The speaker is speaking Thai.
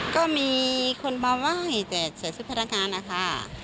ก็มีคนมาไหว้แต่ใส่ชุดพนักงานนะคะ